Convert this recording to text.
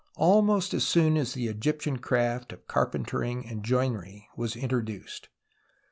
almost as soon as the Egyptian craft of carpentering and joinery was introduced.